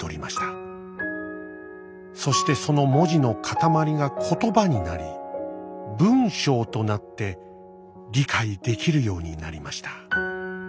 そしてその文字の塊が言葉になり文章となって理解できるようになりました」。